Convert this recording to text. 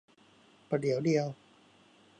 ประเดี๋ยวเดียว